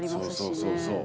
そうそうそうそう。